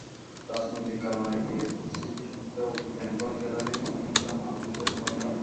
রাজনৈতিক কারণে বিরূপ পরিস্থিতি সত্ত্বেও বেঙ্গল গ্যালারি প্রাঙ্গণ ছিল মানুষে ঠাসা।